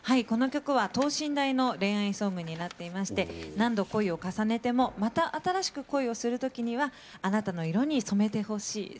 この曲は等身大の恋愛ソングになっていまして何度恋を重ねてもまた新しく恋をするときにはあなたの色に染めてほしい。